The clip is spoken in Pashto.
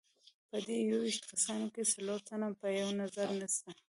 په دې یوویشتو کسانو کې څلور تنه په یوه نظر نسته.